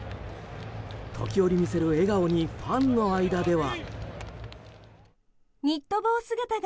時折見せる笑顔にファンの間では。